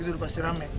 itu udah pasti rame